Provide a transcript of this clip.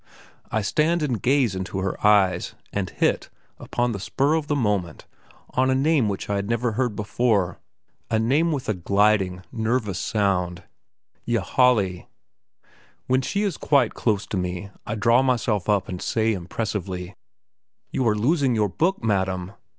I stand and gaze into her eyes, and hit, on the spur of the moment, on a name which I have never heard before a name with a gliding, nervous sound Ylajali! When she is quite close to me I draw myself up and say impressively: "You are losing your book, madam!"